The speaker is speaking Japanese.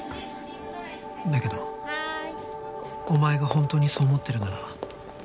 「だけどお前がホントにそう思ってるなら」